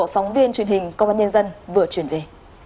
phóng viên truyền hình công an nhân dân vừa chuyển về